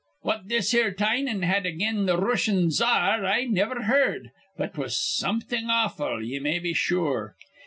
What this here Tynan had again th' Rooshian cza ar I niver heerd. But 'twas something awful, ye may be sure.